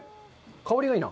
香りがいいな。